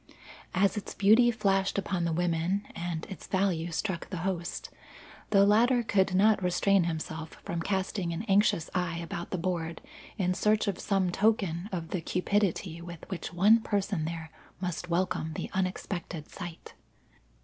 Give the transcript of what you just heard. As its beauty flashed upon the women, and its value struck the host, the latter could not restrain himself from casting an anxious eye about the board in search of some token of the cupidity with which one person there must welcome this unexpected sight.